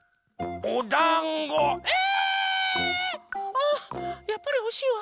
あやっぱりほしいわ。